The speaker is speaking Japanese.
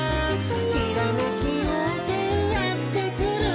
「ひらめきようせいやってくる」